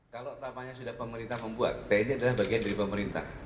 kalau tamanya sudah pemerintah membuat tni adalah bagian dari pemerintah